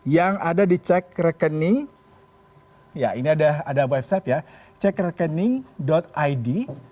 yang ada di cek rekening ya ini ada website ya cekrekening id